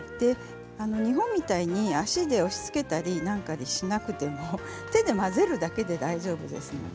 日本みたいに足で押しつけたりしなくても手で混ぜるだけで大丈夫です。